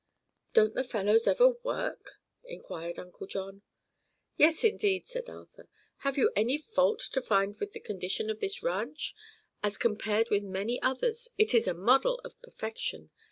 "Don't the fellows ever work?" inquired Uncle John. "Yes, indeed," said Arthur. "Have you any fault to find with the condition of this ranch? As compared with many others it is a model of perfection.